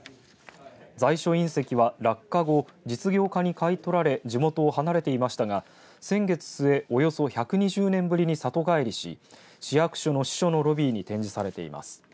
在所隕石は落下後実業家に買い取られ地元を離れていましたが、先月末およそ１２０年ぶりに里帰りし市役所の支所のロビーに展示されています。